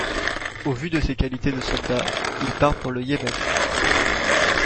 Au vu de ses qualités de soldat, il part pour le Yémen.